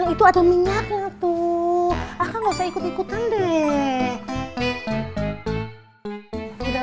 itu ada minyaknya tuh akan bisa ikut ikutan deh